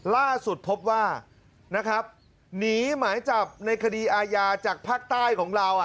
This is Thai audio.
ล่าสุดพบว่านะครับหนีหมายจับในคดีอาญาจากภาคใต้ของเรา